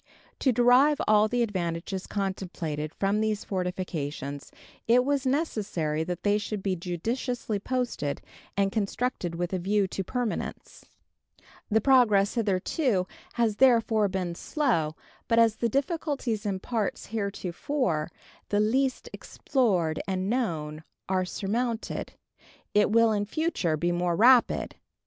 To derive all the advantages contemplated from these fortifications it was necessary that they should be judiciously posted, and constructed with a view to permanence. The progress hitherto has therefore been slow; but as the difficulties in parts heretofore the least explored and known are surmounted, it will in future be more rapid.